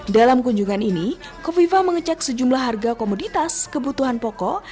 dalam kunjungan ini kofifah mengecek sejumlah harga komoditas kebutuhan pokok